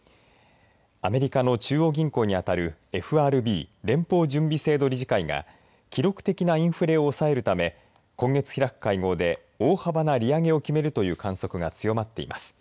アメリカの中央銀行に当たるＦＲＢ連邦準備制度理事会が記録的なインフレを抑えるため今月、開く会合で大幅な利上げを決めるという観測が強まっています。